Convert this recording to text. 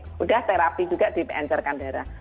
sudah terapi juga diperbolehkan darah